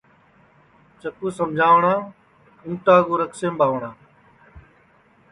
چکُو سمجاوٹؔا اُنٚٹا کُو رکسیم ٻاوٹؔا